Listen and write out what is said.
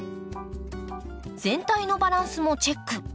全体のバランスもチェック。